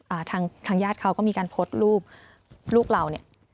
อ่าทางทางญาติเขาก็มีการโพสต์รูปลูกเราเนี่ย